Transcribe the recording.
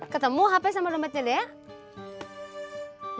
ketemu hp sama dompetnya deh ya